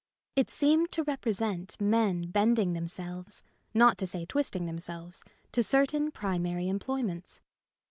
It seemed to represent men bend ing themselves (not to say twisting them selves) to certain primary employments.